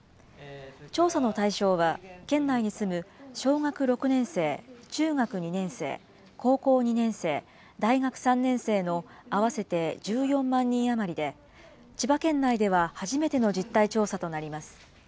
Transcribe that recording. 調査の対象は、県内に住む小学６年生、中学２年生、高校２年生、大学３年生の合わせて１４万人余りで、千葉県内では初めての実態調査となります。